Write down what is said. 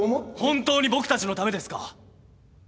本当に僕たちのためですか？